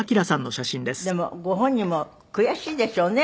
でもご本人も悔しいでしょうね